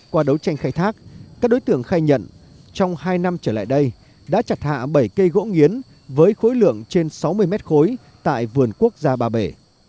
qua đấu tranh khai thác các đối tượng khai nhận trong hai năm trở lại đây đã chặt hạ bảy cây gỗ nghiến với khối lượng trên sáu mươi mét khối tại vườn quốc gia ba bể